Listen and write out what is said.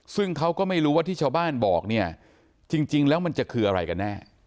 ซึ่งเขาก็ไม่รู้ว่าที่ชาวบ้านบอกเนี่ยจริงแล้วมันจะคืออะไรกันแน่